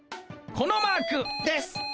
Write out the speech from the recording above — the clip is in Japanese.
このマーク。です。